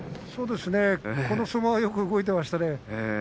そうですね、この相撲はよく動いていましたね。